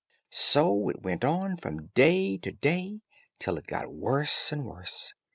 So it went on from day to day till it got worse and worse.